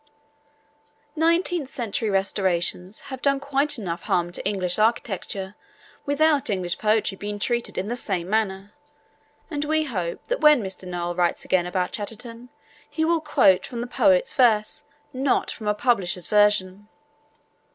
Nineteenth century restorations have done quite enough harm to English architecture without English poetry being treated in the same manner, and we hope that when Mr. Noel writes again about Chatterton he will quote from the poet's verse, not from a publisher's version.